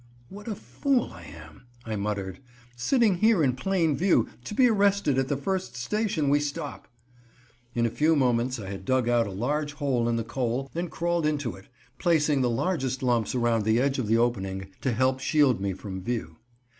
"What a fool I am," I muttered. "Sitting here in plain view, to be arrested at the first station we stop." In a few moments I had dug out a large hole in the coal and crawled into it, placing the largest lumps around the edge of the opening to help shield me from view.